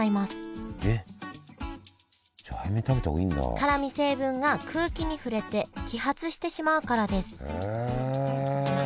辛み成分が空気に触れて揮発してしまうからですへえ。